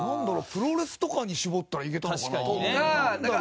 プロレスとかに絞ったらいけたのかな。とか。